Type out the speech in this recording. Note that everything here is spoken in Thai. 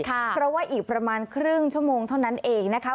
เพราะว่าอีกประมาณครึ่งชั่วโมงเท่านั้นเองนะคะ